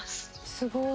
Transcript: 「すごい！」